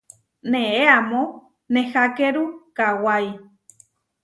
Neé amó nehákeru kawái.